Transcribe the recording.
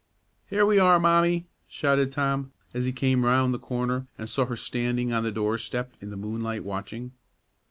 "Here we are, Mommie!" shouted Tom, as he came around the corner and saw her standing on the doorstep in the moonlight watching.